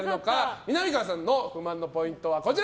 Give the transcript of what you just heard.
みなみかわさんの不満のポイントはこちら。